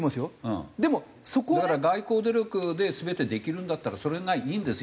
だから外交努力で全てできるんだったらそれがいいんです。